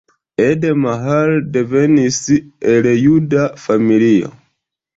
Ede Mahler devenis el juda familio.